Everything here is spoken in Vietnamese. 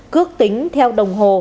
cước tính theo đồng hồ